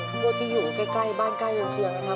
โทษที่อยู่ใกล้บ้านใกล้เคียงนะครับ